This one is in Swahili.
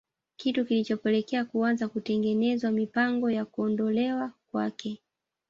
Kitu kilichopelekea kuanza kutengenezwa mipango ya kuondolewa kwake